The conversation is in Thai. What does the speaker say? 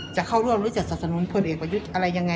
จะเข้าร่วมรู้จักสตาร์ทสนุนเพื่อได้เป็นเอียดอะไรยังไง